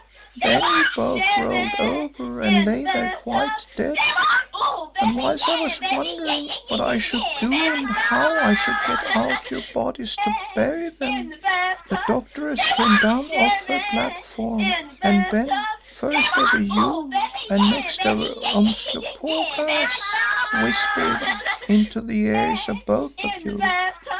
Then you both rolled over and lay there quite dead, and whilst I was wondering what I should do and how I should get out your bodies to bury them, the Doctoress came down off her platform and bent, first over you and next over Umslopogaas, whispering into the ears of both of you.